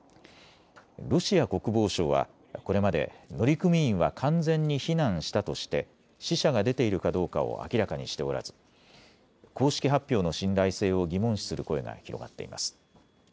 ロシア国防省はこれまで乗組員は完全に避難したとして死者が出ているかどうかを明らかにしておらず公式発表の信頼性を疑問視する声が広がっています。